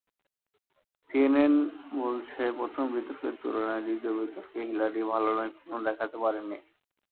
CNN বলছে, প্রথম বিতর্কের তুলনায় দ্বিতীয় বিতর্কে হিলারি ভালো নৈপূণ্য দেখাতে পারেননি।